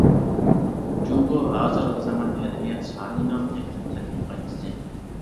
جۇڭگو ھازىرقى زامان ئەدەبىيات سارىيىنىڭ تەكلىپ تەتقىقاتچىسى.